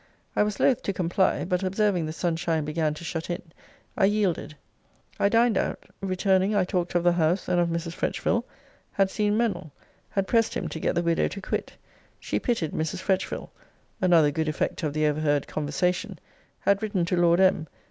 I was loth to comply: but observing the sun shine began to shut in, I yielded. I dined out. Returning, I talked of the house, and of Mrs. Fretchville had seen Mennell had pressed him to get the widow to quit: she pitied Mrs. Fretchville [another good effect of the overheard conversation] had written to Lord M.